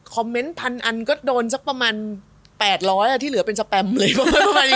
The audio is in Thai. เมนต์พันอันก็โดนสักประมาณ๘๐๐ที่เหลือเป็นสแปมเลยเว้ย